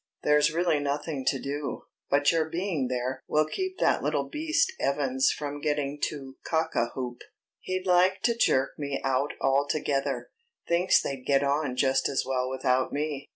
There's really nothing to do, but you're being there will keep that little beast Evans from getting too cock a hoop. He'd like to jerk me out altogether; thinks they'd get on just as well without me."